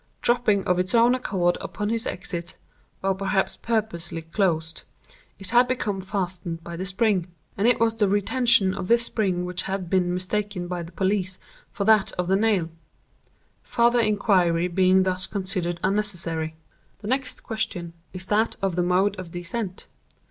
Dropping of its own accord upon his exit (or perhaps purposely closed), it had become fastened by the spring; and it was the retention of this spring which had been mistaken by the police for that of the nail,—farther inquiry being thus considered unnecessary. "The next question is that of the mode of descent.